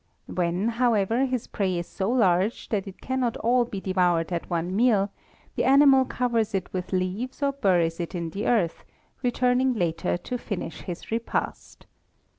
When, however, his prey is so large that it cannot all be devoured at one meal, the animal covers it with leaves or buries it in the earth, returning later to finish his repast.